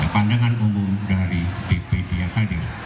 pandangan umum dari dpd yang hadir